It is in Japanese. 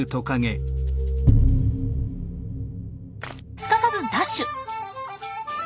すかさずダッシュ！